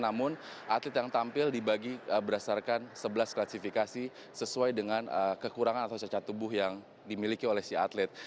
namun atlet yang tampil dibagi berdasarkan sebelas klasifikasi sesuai dengan kekurangan atau cacat tubuh yang dimiliki oleh si atlet